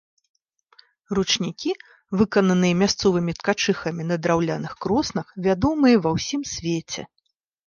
Ручнікі, выкананыя мясцовымі ткачыхамі на драўляных кроснах, вядомыя ва ўсім свеце.